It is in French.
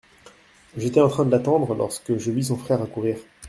J’étais en train de l’attendre lorsque je vis son frère accourir.